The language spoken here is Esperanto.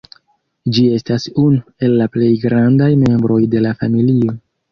Ĝi estas unu el la plej grandaj membroj de la familio.